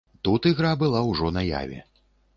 Тут ігра была ўжо наяве.